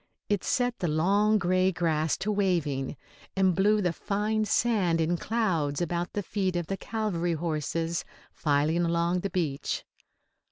It set the long grey grass to waving, and blew the fine sand in clouds about the feet of the cavalry horses filing along the beach.